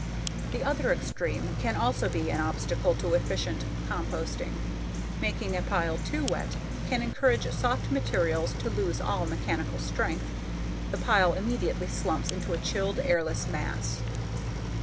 The other extreme can also be an obstacle to efficient composting. Making a pile too wet can encourage soft materials to lose all mechanical strength, the pile immediately slumps into a chilled, airless mass.